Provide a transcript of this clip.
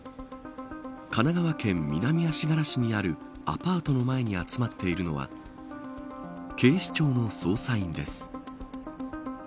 神奈川県南足柄市にあるアパートの前に集まっているのは警視庁の捜査員です。